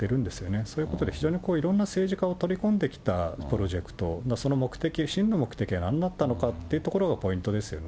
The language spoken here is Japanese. そういうことで非常にいろんな政治家を取り込んできたプロジェクト、その目的、真の目的はなんだったのかっていうところがポイントですよね。